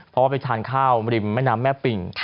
เพราะว่าไปทานข้าวริมแม่น้ำแม่ปิ่ง